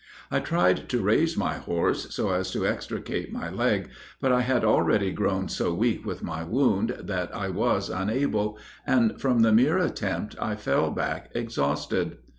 I tried to raise my horse so as to extricate my leg but I had already grown so weak with my wound that I was unable, and from the mere attempt, I fell back exhausted.